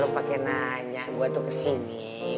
lalu pake nanya gue tuh kesini